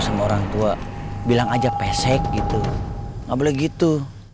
sama orang tua bilang aja pesek gitu gak boleh gitu